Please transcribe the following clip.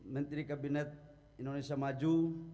menteri kabinet indonesia maju